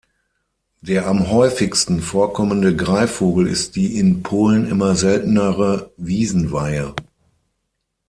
Der am häufigsten vorkommende Greifvogel ist die in Polen immer seltenere Wiesenweihe.